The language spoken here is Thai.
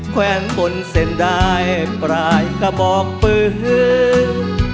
แขวนบนเส้นได้ปลายกระบอกปืน